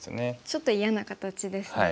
ちょっと嫌な形ですね。